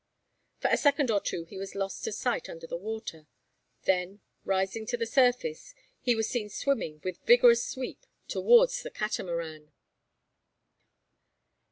For a second or two he was lost to sight under the water. Then, rising to the surface, he was seen swimming with vigorous sweep towards the Catamaran.